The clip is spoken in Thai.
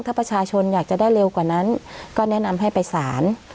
ถ้าประชาชนอยากจะได้เร็วกว่านั้นก็แนะนำให้ไปสาร